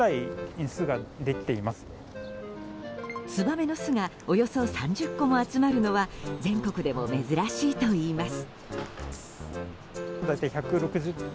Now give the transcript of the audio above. ツバメの巣がおよそ３０個も集まるのは全国でも珍しいといいます。